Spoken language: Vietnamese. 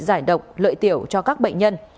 giải độc lợi tiểu cho các bệnh nhân